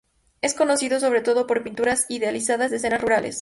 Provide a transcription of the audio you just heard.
Es conocido sobre todo por sus pinturas idealizadas de escenas rurales.